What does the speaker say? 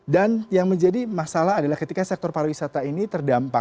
dan yang menjadi masalah adalah ketika sektor pariwisata ini terdampak